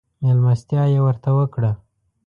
مېلمستيا يې ورته وکړه.